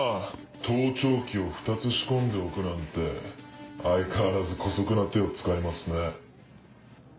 盗聴器を２つ仕込んでおくなんて相変わらず姑息な手を使いますね。